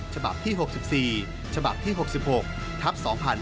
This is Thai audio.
ฉบับที่๖๔ฉบับที่๖๖ทับ๒๕๕๙